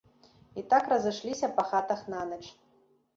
І так разышліся па хатах нанач.